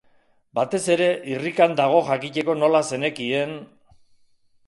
Batez ere, irrikan dago jakiteko nola zenekien...